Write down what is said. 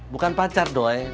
bukan pacar doi